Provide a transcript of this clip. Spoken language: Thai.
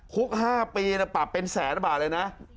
คุก๕ปีปรับเป็นแสนบาทเลยนะ